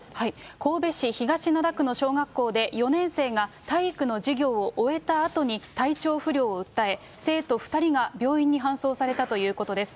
神戸市東灘区の小学校で４年生が体育の授業を終えたあとに、体調不良を訴え、生徒２人が病院に搬送されたということです。